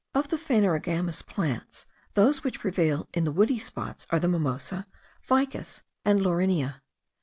Of the phaenerogamous plants, those which prevail in the woody spots are the mimosa, ficus, and laurinea.